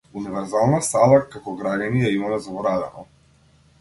Универзална сала како граѓани ја имаме заборавено.